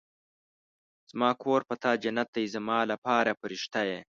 زما کور په تا جنت دی زما لپاره فرښته يې